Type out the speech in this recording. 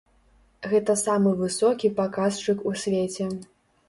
Гэта самы высокі паказчык у свеце.